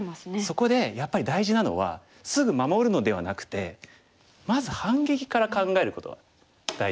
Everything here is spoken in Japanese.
そこでやっぱり大事なのはすぐ守るのではなくてまず反撃から考えることが大事なんですよね。